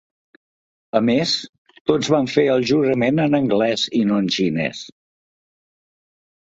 A més, tots van fer el jurament en anglès i no en xinès.